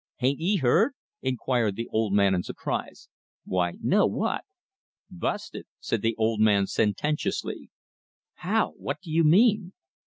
"H'aint ye heard?" inquired the old man in surprise. "Why, no. What?" "Busted," said the old man sententiously. "How? What do you mean?"